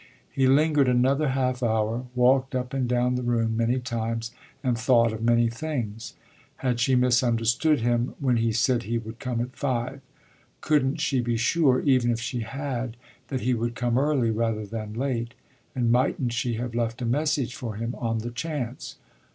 He lingered another half hour, walked up and down the room many times and thought of many things. Had she misunderstood him when he said he would come at five? Couldn't she be sure, even if she had, that he would come early rather than late, and mightn't she have left a message for him on the chance?